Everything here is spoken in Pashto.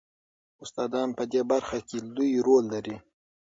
استادان په دې برخه کې لوی رول لري.